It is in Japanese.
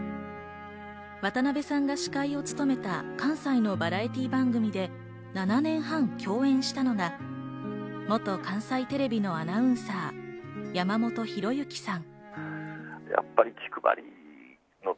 渡辺さんが司会を務めた関西のバラエティー番組で７年半共演したのが元関西テレビのアナウンサー、山本浩之さん。